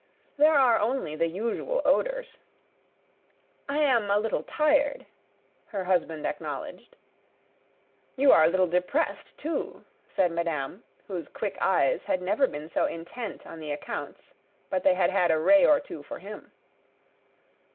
"There are only the usual odours." "I am a little tired," her husband acknowledged. "You are a little depressed, too," said madame, whose quick eyes had never been so intent on the accounts, but they had had a ray or two for him.